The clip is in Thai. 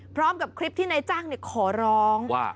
พร้อมกับคลิปที่นายจ้างขอร้องว่า